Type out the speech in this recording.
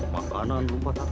makanan lupa tak